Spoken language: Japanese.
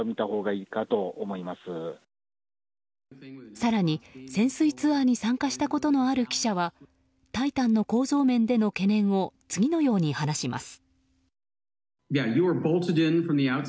更に潜水ツアーに参加したことのある記者は「タイタン」の構造面での懸念を次のように話します。